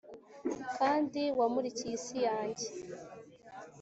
kandi wamurikiye isi yanjye.